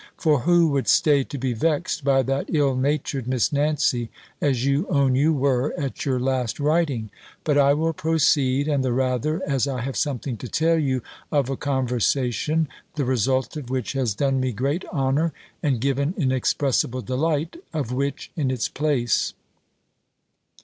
For who would stay to be vexed by that ill natured Miss Nancy, as you own you were, at your last writing? But I will proceed, and the rather, as I have something to tell you of a conversation, the result of which has done me great honour, and given inexpressible delight; of which in its place.